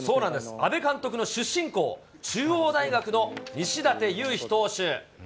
阿部監督の出身校、中央大学の西舘勇陽投手。